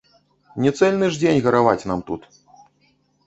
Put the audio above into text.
Не цэльны ж дзень гараваць нам тут!